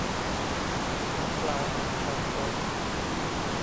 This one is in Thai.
น้ำปลา หนึ่งช้อนโต๊ะ